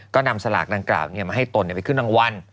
ก็นำสลากดังกล่าวมาให้ตนไปขึ้นรางวัล